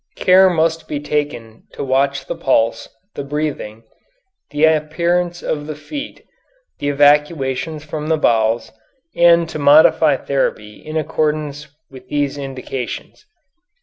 Care must be taken to watch the pulse, the breathing, the appearance of the feet, the evacuations from the bowels, and to modify therapy in accordance with these indications.